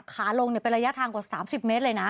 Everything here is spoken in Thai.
ขาลงเป็นระยะทางกว่า๓๐เมตรเลยนะ